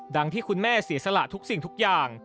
ที่คุณแม่เสียสละทุกสิ่งทุกอย่าง